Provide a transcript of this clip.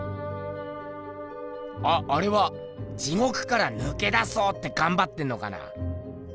あっあれは地獄からぬけ出そうってがんばってんのかな。